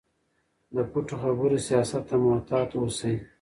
د پټو خبرو سیاست ته محتاط اوسئ.